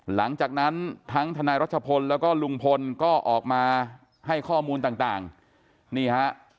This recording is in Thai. หลังจากนั้นทั้งทนายรัชพลแล้วก็ลุงพลก็ออกมาให้ข้อมูลต่างนี่ฮะ